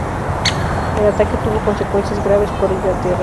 El ataque tuvo consecuencias graves para Inglaterra.